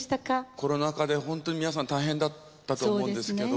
コロナ禍でホントに皆さん大変だったと思うんですけど。